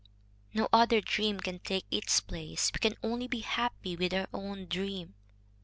No other dream can take its place. We can only be happy with our own dream."